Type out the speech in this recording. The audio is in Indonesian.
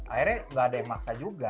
akhirnya nggak ada yang maksa juga